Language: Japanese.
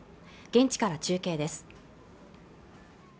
現地から中継です